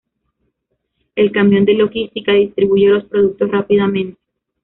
El camión de logística distribuye los productos rápidamente